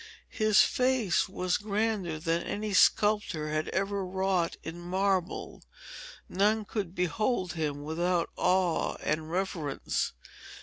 His face was grander than any sculptor had ever wrought in marble; none could behold him without awe and reverence.